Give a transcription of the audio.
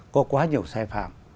có quá nhiều sai phạm